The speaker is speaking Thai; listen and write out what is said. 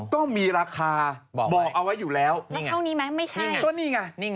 เขาก็บอกอย่างนี้